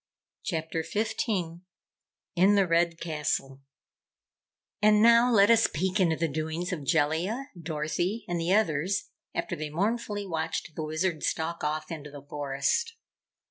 CHAPTER 15 In the Red Castle And now let us peek into the doings of Jellia, Dorothy and the others, after they mournfully watched the Wizard stalk off into the forest.